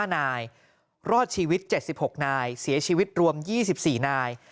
๕นายรอดชีวิต๗๖นายเสียชีวิตรวม๒๔นาย